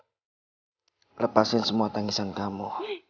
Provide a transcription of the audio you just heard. lepasin semua tangisan kamu